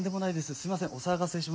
すいませんお騒がせしました。